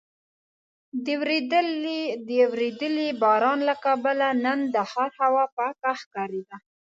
د ورېدلي باران له کبله نن د ښار هوا پاکه ښکارېده.